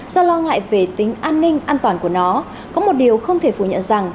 do lo ngại về tính an ninh an toàn của nó có một điều không thể phủ nhận rằng